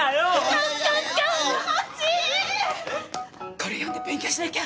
これ読んで勉強しなきゃ。